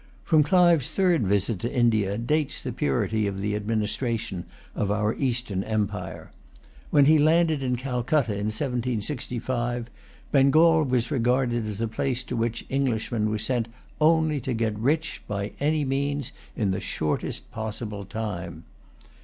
From Clive's third visit to India dates the purity of the administration of our Eastern empire. When he landed in Calcutta in 1765, Bengal was regarded as a place to which Englishmen were sent only to get rich, by any means, in the shortest possible time.